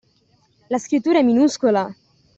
La scrittura è minuscola!